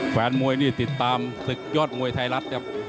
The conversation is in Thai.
แฟนมวยนี่ติดตามศึกยอดมวยไทยรัฐครับ